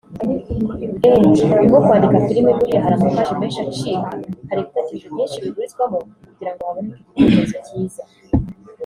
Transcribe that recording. Eeeh ni nko kwandika filimi buriya hari amapaji menshi acika hari ibitekerezo byinshi biburizwamo kugirango haboneke igitekerezo cyiza